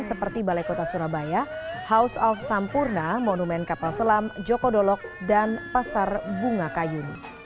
seperti balai kota surabaya house of sampurna monumen kapal selam joko dolok dan pasar bunga kayu